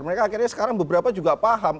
mereka akhirnya sekarang beberapa juga paham